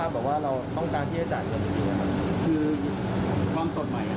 ก็ลงที่๒ต้องเป็นสัมภาพที่ของเคมรับเกินไปตรงนี้ได้ที่ต่าง